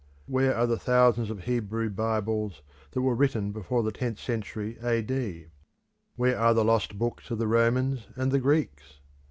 Where are the thousands of Hebrew bibles that were written before the tenth century A.D.? Where are the lost books of the Romans and the Greeks?